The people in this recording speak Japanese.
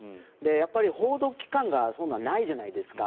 やっぱり報道機関がないじゃないですか。